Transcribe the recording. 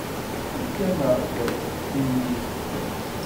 Efk-aneɣ-d timikt.